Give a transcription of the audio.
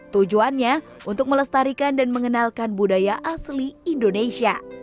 tujuannya untuk melestarikan dan mengenalkan budaya asli indonesia